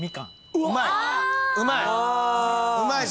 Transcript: うまい。